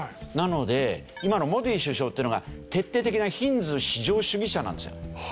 なので今のモディ首相っていうのが徹底的なヒンドゥー至上主義者なんですよ。